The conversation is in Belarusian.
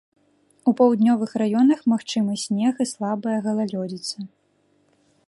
У паўднёвых раёнах магчымы снег і слабая галалёдзіца.